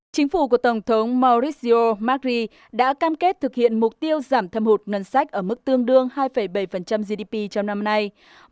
chính phủ của tổng thống mauricio macri đã cam kết thực hiện mục tiêu giảm thâm hụt ngân sách ở mức tương đương hai bảy gdp trong năm nay